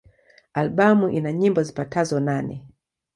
Albamu ina nyimbo zipatazo nane.